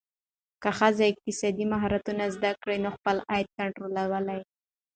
که ښځه اقتصادي مهارتونه زده کړي، نو خپل عاید کنټرولوي.